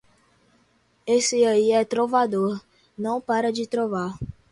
Esse aí é trovador, não para de trovar